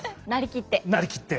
成りきって？